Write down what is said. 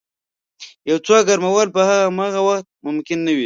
یو څوک ګرمول په همغه وخت ممکن نه وي.